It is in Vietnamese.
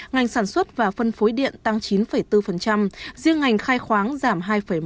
ngành sản xuất và phân phối điện tăng chín bốn riêng ngành khai khoáng giảm hai một